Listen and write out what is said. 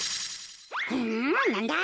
んなんだ？